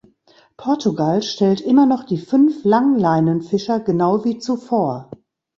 Portugal stellt immer noch die fünf Langleinenfischer, genau wie zuvor.